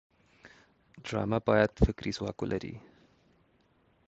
ډرامه باید فکري ځواک ولري